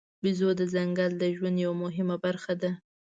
بیزو د ځنګل د ژوند یوه مهمه برخه ده.